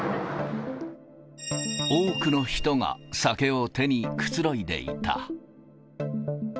多くの人が、酒を手にくつろいでいた。